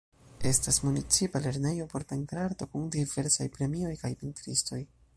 Estas Municipa Lernejo por Pentrarto, kun diversaj premioj kaj pentristoj.